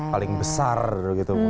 paling besar gitu